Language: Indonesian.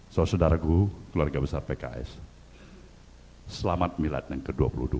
saudara saudaraku keluarga besar pks selamat milad yang ke dua puluh dua